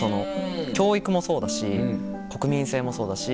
教育もそうだし国民性もそうだし。